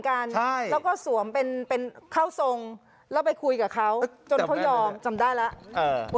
แกจับเพื่อนเนิ่นน่ะเพื่อนวิ่งมาเลย